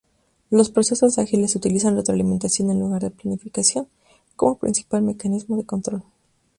Los procesos ágiles utilizan retroalimentación en lugar de planificación, como principal mecanismo de control.